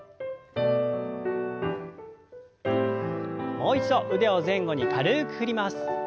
もう一度腕を前後に軽く振ります。